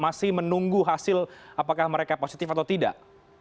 masih menunggu hasil apakah mereka positif atau tidak